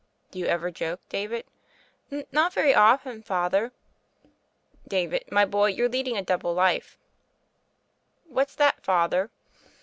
"Do you ever joke, David?" "Not very often. Father." "David, my boy, you're leading a double "What's that. Father?"